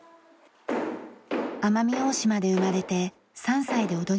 奄美大島で生まれて３歳で踊りを始めました。